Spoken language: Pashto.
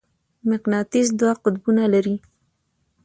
مقناطیس دوه قطبونه لري.